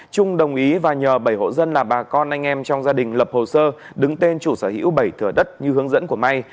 trung đồng ý và nhờ bảy hộ dân là bà con anh em trong gia đình lập hồ sơ đứng tên chủ sở hữu bảy thửa đất như hướng dẫn của may